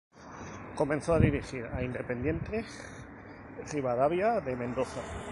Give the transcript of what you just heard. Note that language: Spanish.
Comenzó a dirigir a Independiente Rivadavia de Mendoza.